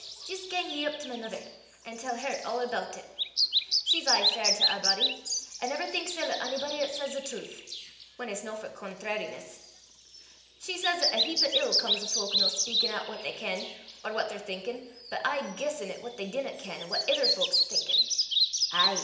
Jist gang ye up to my mither, an' tell her a' aboot it. She's aye fair to a' body, an' never thinks ill o' onybody 'at says the trowth whan it's no for contrariness. She says 'at a heap o' ill comes o' fowk no speykin' oot what they ken, or what they're thinkin', but aye guissin' at what they dinna ken, an' what ither fowk's thinkin'." "Ay!"